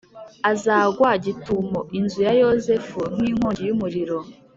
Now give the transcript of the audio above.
azagwa gitumo inzu ya Yozefu nk’inkongi y’umuriro,